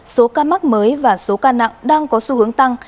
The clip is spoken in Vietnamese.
số ca mắc mới và số ca nặng đang có xu hướng tăng